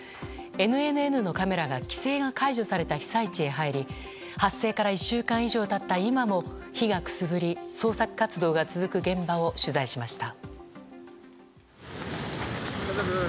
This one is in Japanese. ＮＮＮのカメラが規制が解除された被災地へ入り発生から１週間以上経った今も火がくすぶり捜索活動が続く現場を取材しました。